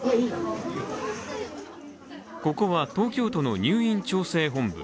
ここは東京都の入院調整本部。